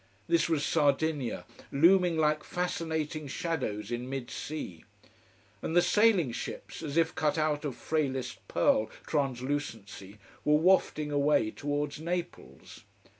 This was Sardinia, looming like fascinating shadows in mid sea. And the sailing ships, as if cut out of frailest pearl translucency, were wafting away towards Naples.